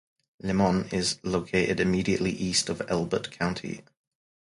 Limon is located immediately east of Elbert County.